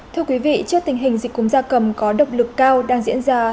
thưa quý vị trước tình hình dịch cúm da cầm có độc lực cao đang diễn ra